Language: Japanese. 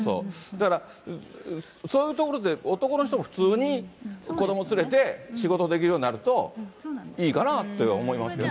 だから、そういうところで男の人も普通に子ども連れて仕事できるようになると、いいかなって思いますけどね。